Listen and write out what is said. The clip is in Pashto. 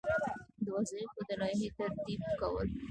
د وظایفو د لایحې ترتیب کول.